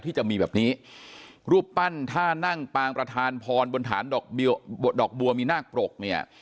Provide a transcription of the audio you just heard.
ที่จะมีแบบนี้รูปปั้นท่านั่งปางประธานพรบนฐานดอกบัวมีนาคปรกเนี่ย